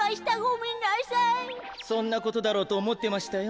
そんなことだろうとおもってましたよ。